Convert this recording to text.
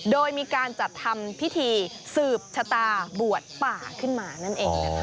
โดยมีการจัดทำพิธีสืบชะตาบวชป่าขึ้นมานั่นเองนะคะ